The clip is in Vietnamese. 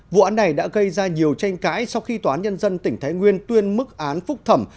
vụ án này đã gây ra nhiều tranh cãi sau khi tòa án nhân dân tỉnh thái nguyên tuyên mức án phúc thẩm